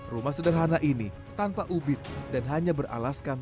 rumah sederhana ini tanpa ubit dan hanya beralasan